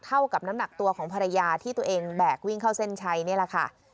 เท่ากับน้ำหนักตัวของภรรยาที่ตัวเองแบกวิ่งเข้าเส้นชัยนี่แหละค่ะ